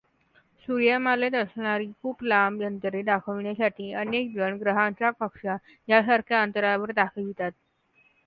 सूर्यमालेत असणारी खूप लांब अंतरे दाखविण्यासाठी अनेक जण ग्रहांच्या कक्षा या सारख्या अंतरावर दाखवितात.